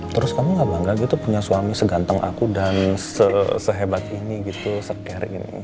terus kamu gak bangga gitu punya suami seganteng aku dan sehebat ini gitu se care